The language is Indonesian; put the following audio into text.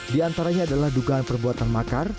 di antaranya adalah dugaan perbuatan makar